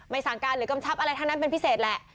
สั่งการหรือกำชับอะไรทั้งนั้นเป็นพิเศษแหละ